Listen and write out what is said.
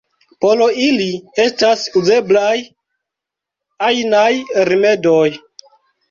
Por ili estas uzeblaj ajnaj rimedoj.